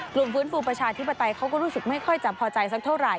ฟื้นฟูประชาธิปไตยเขาก็รู้สึกไม่ค่อยจะพอใจสักเท่าไหร